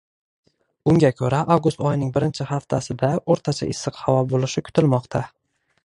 Unga ko‘ra, avgust oyining birinchi haftasida o‘rtacha issiq havo bo‘lishi kutilmoqda